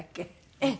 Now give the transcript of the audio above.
ええ。